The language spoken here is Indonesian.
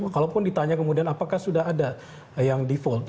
kalaupun ditanya kemudian apakah sudah ada yang default